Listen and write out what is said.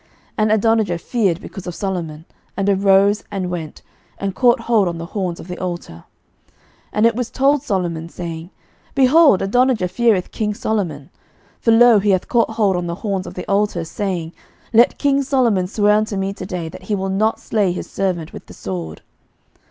11:001:050 And Adonijah feared because of Solomon, and arose, and went, and caught hold on the horns of the altar. 11:001:051 And it was told Solomon, saying, Behold, Adonijah feareth king Solomon: for, lo, he hath caught hold on the horns of the altar, saying, Let king Solomon swear unto me today that he will not slay his servant with the sword.